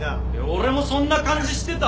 俺もそんな感じしてたわ。